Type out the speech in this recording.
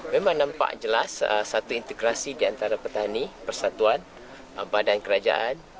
memang nampak jelas satu integrasi diantara petani persatuan badan kerajaan